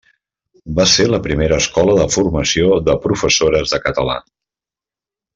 Va ser la primera escola de formació de professores de català.